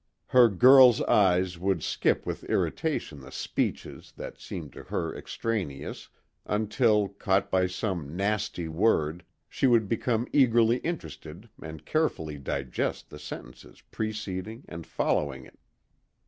Her girl's eyes would skip with irritation the speeches that seemed to her extraneous until, caught by some "nasty" word, she would become eagerly interested and carefully digest the sentences preceding and following it.